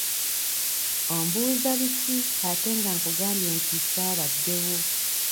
Ombuuza biki ate nga nkugambye nti ssaabaddewo?